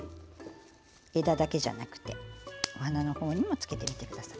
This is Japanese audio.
枝だけじゃなくてお花のほうにもつけてください。